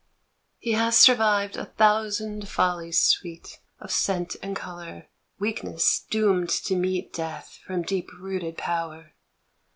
He has survived a thousand follies sweet Of scent and colour, weakness doomed to meet Death from deep rooted power.